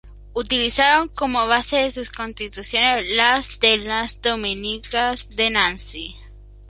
Utilizaron como base de sus Constituciones las de las Dominicas de Nancy.